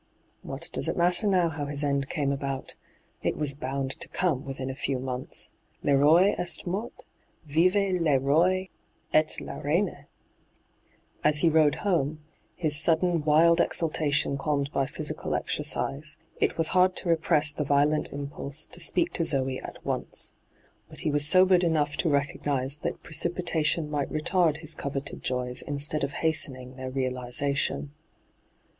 ' What does it matter how his end came about ? It was bound to come within a few months. Le roi est mort : vive le roi — et la reine 1' As he rode home, his sudden wild exultation calmed by physical exercise, it was hard to repress the violent impulse to speak to Zoe at once. But he was sobered enough to recog nise that precipitation might retard his coveted joys instead of hastening their realization.